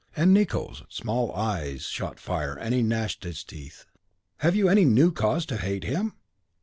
And Nicot's small eyes shot fire, and he gnashed his teeth. "Have you any new cause to hate him?"